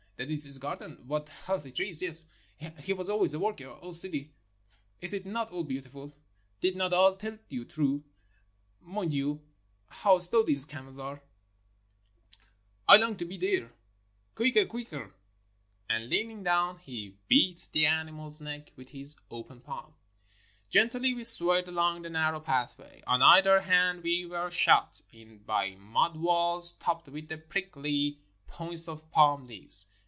That is his garden ! What healthy trees ! Yes ; he was al ways a worker. O Sidi ! is it not all beautiful? Did not I tell you true? Mon Dieul how slow these camels are! I 3SI NORTHERN AFRICA long to be there. Quicker! quicker! " And leaning down he beat the animal's neck with his open palm. Gently we swayed along the narrow pathway. On either hand we were shut in by mud walls topped with the prickly points of palm leaves.